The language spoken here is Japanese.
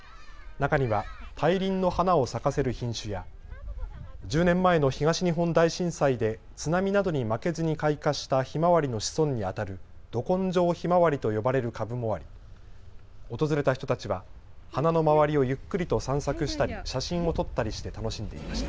中には大輪の花を咲かせる品種や１０年前の東日本大震災で津波などに負けずに開花したひまわりの子孫にあたるど根性ひまわりと呼ばれる株もあり訪れた人たちは花の周りをゆっくりと散策したり写真を撮ったりして楽しんでいました。